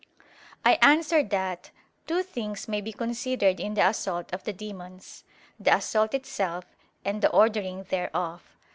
I answer that, Two things may be considered in the assault of the demons the assault itself, and the ordering thereof.